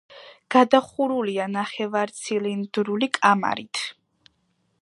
გადახურულია ნახევარცილინდრული კამარით.